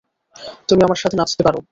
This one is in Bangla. তুমি আমার সাথে নাচতে পারো।